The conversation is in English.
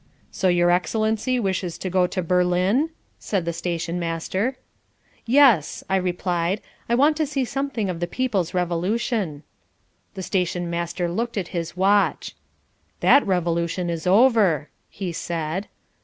"So your Excellency wishes to go to Berlin?" said the stationmaster. "Yes," I replied, "I want to see something of the people's revolution." The stationmaster looked at his watch. "That Revolution is over," he said.